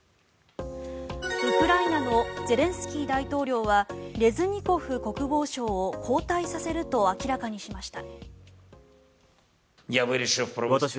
ウクライナのゼレンスキー大統領はレズニコフ国防相を交代させると明らかにしました。